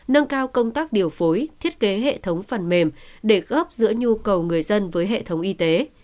nâng cao công tác điều phối thiết kế hệ thống phần mềm để góp giữa nhu cầu người dân với hệ thống y tế